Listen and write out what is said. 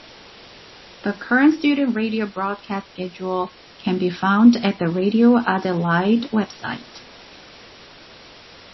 The current student radio broadcast schedule can be found at the Radio Adelaide Website.